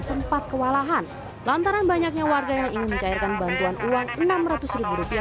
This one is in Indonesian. sempat kewalahan lantaran banyaknya warga yang ingin mencairkan bantuan uang enam ratus rupiah